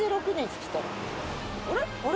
あれ？